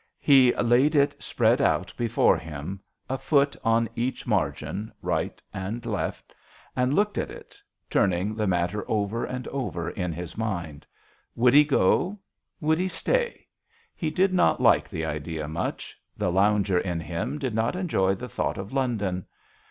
He laid it spread out before him a foot on each margin, right and left and looked at it, turning the JOHN SHERMAN. 2$ matter over and over in his mind. Would he go ? would he stay ? He did not like the idea much. The lounger in him did not enjoy the thought of London.